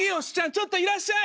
ちょっといらっしゃい！